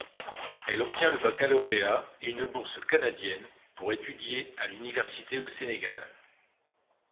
Elle obtient le baccalauréat et une bourse canadienne pour étudier à l’université au Sénégal.